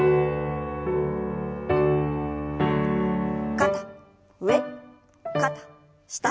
肩上肩下。